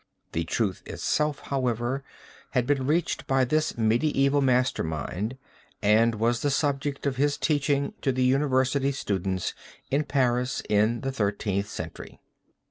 The truth itself, however, had been reached by this medieval master mind and was the subject of his teaching to the university students in Paris in the Thirteenth Century.